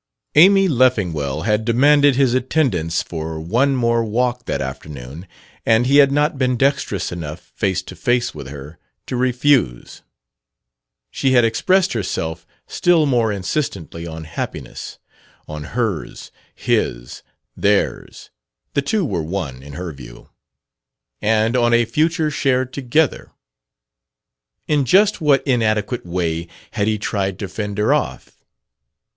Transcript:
Amy Leffingwell had demanded his attendance for one more walk, that afternoon, and he had not been dextrous enough, face to face with her, to refuse. She had expressed herself still more insistently on "happiness" (on hers, his, theirs; the two were one, in her view) and on a future shared together. In just what inadequate way had he tried to fend her off?